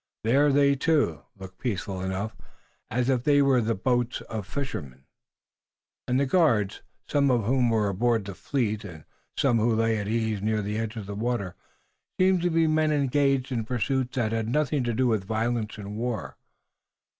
There they, too, looked peaceful enough, as if they were the boats of fishermen, and the guards, some of whom were aboard the fleet and some of whom lay at ease near the edge of the water, seemed to be men engaged in pursuits that had nothing to do with violence and war.